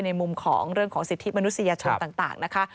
ในมุมของเรื่องของสิทธิมนุษยชนต่างนะคะ